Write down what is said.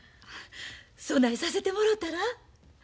そないさせてもろたら？